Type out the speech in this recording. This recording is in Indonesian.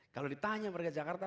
kalau ditanya keluarga jakarta